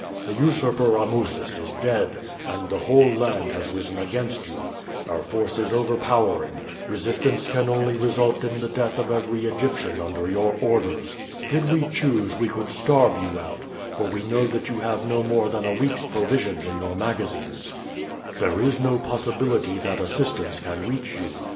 The usurper Amusis is dead and the whole land has risen against you. Our force is overpowering resistance can only result in the death of every Egyptian under your orders. Did we choose we could starve you out, for we know that you have no more than a week's provisions in your magazines. "There is no possibility that assistance can reach you.